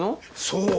そう。